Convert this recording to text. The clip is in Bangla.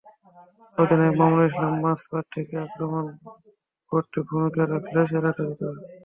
অধিনায়ক মামুনুল ইসলাম মাঝমাঠ থেকে আক্রমণ গড়তে ভূমিকা রাখলেও সেরাটা দিতে পারেননি।